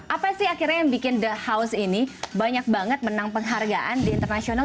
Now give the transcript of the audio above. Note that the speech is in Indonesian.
apa sih akhirnya yang bikin the house ini banyak banget menang penghargaan di internasional